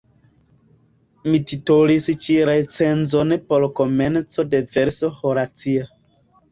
Mi titolis ĉi recenzon per komenco de verso horacia.